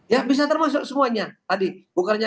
ya bisa termasuk semuanya tadi bukannya